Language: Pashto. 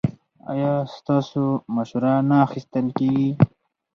ایا ستاسو مشوره نه اخیستل کیږي؟